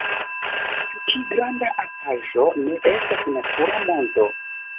Tiu ĉi granda altaĵo ne estas natura monto.